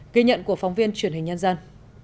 ghi nhận của phóng viên truyền hình nhân dân